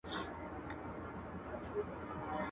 له ليري واه واه، له نژدې اوډره.